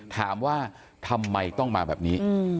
ถามว่าทำไมต้องมาแบบนี้